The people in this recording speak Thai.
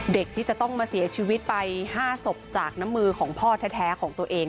ที่จะต้องมาเสียชีวิตไป๕ศพจากน้ำมือของพ่อแท้ของตัวเอง